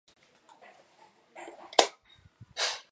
为电影背景音乐谱曲。